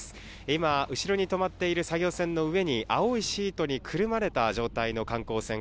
今、後ろに止まっている作業船の上に、青いシートにくるまれた状態の観光船